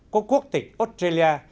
của quốc tịch australia